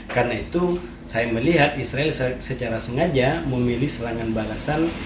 karena itu saya melihat israel secara sengaja memilih serangan balasan